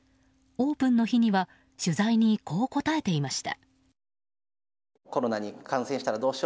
オープンの日には取材にこう答えていました。